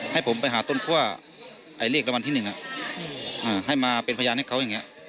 ให้ผมไปหาต้นคั่วไอเลขรวรรมันที่หนึ่งอ่าให้มาเป็นพยานให้เขาอย่างเงี้ย